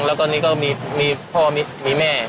แล้วก็นี่ก็มีพ่อมีแม่